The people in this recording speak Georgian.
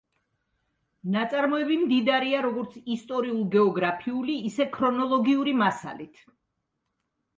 ნაწარმოები მდიდარია როგორც ისტორიულ-გეოგრაფიული, ისე ქრონოლოგიური მასალით.